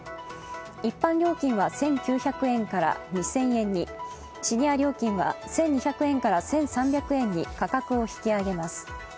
一般料金は１９００円から２０００円にシニア料金は１２００円から１３００円に価格を引き上げます。